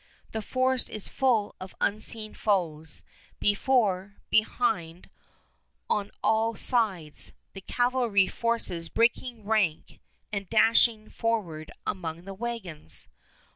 The forest is full of unseen foes, before, behind, on all sides, the cavalry forces breaking rank and dashing forward among the wagons.